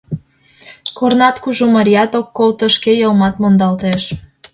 Корнат кужу, марият ок колто, шке йылмат мондалтеш.